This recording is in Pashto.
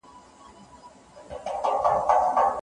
هغه د خپل شعر له لارې د خلکو زړونه نرمول.